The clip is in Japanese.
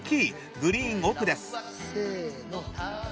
グリーン奥です］せーの。